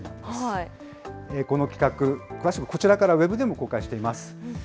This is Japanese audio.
この企画、詳しくはこちらから、ウェブでも公開しています。